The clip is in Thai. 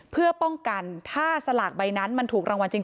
เพื่อป้องกันถ้าสลากใบนั้นมันถูกรางวัลจริง